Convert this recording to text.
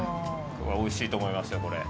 おいしいと思いますよ、これ。